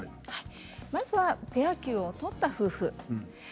まずは、ペア休を取った夫婦です。